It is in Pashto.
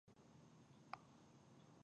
د وخت پابندي د پرمختګ راز دی